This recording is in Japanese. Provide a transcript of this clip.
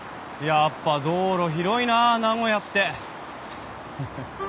やっぱ道路広いなあ名古屋って。